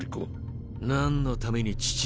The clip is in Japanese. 何のために父上を？